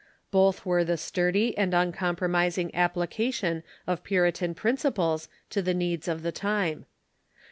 Both were the sturdy and uncompromising application of Pu ritan principles to the needs of the time.